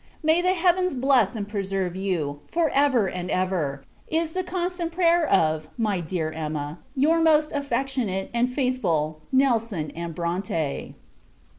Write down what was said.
May the Heavens bless and preserve you, for ever and ever! is the constant prayer of, my dear Emma, your most affectionate and faithful NELSON & BRONTE.